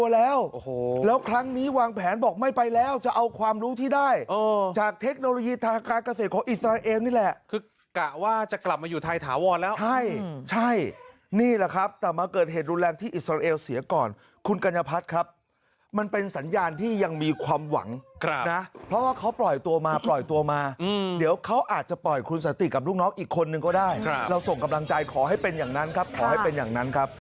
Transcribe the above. ลักษณะดูเหมือนเป็นแคมป์คนงานนะครับ